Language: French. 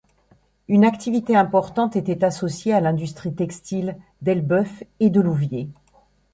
Une activité importante était associée à l'industrie textile d'Elbeuf et de Louviers.